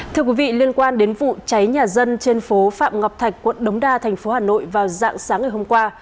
thưa quý vị liên quan đến vụ cháy nhà dân trên phố phạm ngọc thạch quận đống đa thành phố hà nội vào dạng sáng ngày hôm qua